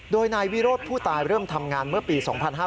โดยนายวิโรธผู้ตายเริ่มทำงานเมื่อปี๒๕๕๙